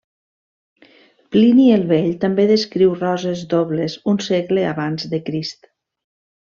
Plini el Vell també descriu roses dobles un segle abans de Crist.